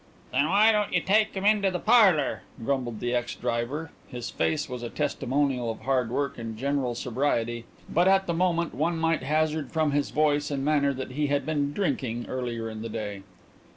"Then why don't you take him into the parlour?" grumbled the ex driver. His face was a testimonial of hard work and general sobriety but at the moment one might hazard from his voice and manner that he had been drinking earlier in the day.